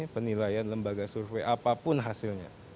penilaian lembaga survei apapun hasilnya